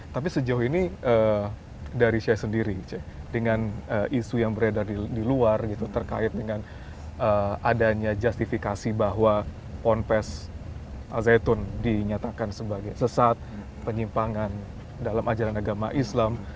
tapi sejauh ini dari saya sendiri dengan isu yang beredar di luar gitu terkait dengan adanya justifikasi bahwa ponpes al zaitun dinyatakan sebagai sesat penyimpangan dalam ajaran agama islam